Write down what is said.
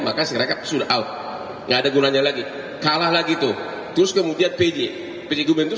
maka mereka sudah out nggak ada gunanya lagi kalah lagi tuh terus kemudian pj pj gubernur itu